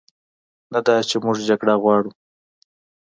نه دا چې موږ جګړه غواړو،